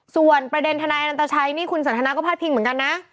ส่วนประเด็นทนายอนันตชัยนี่คุณสันทนาก็พาดพิงเหมือนกันนะ